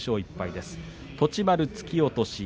栃丸、突き落とし。